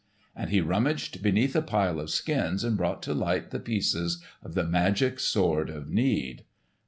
And he rummaged beneath a pile of skins and brought to light the pieces of the magic Sword of Need.